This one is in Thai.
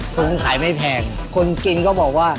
ผมขายไม่แพงคนกินก็บอกว่า